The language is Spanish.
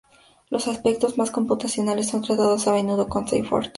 Los aspectos más computacionales son tratados a menudo con C y Fortran.